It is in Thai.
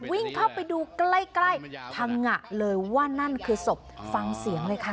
วิ่งเข้าไปดูใกล้ใกล้พังงะเลยว่านั่นคือศพฟังเสียงเลยค่ะ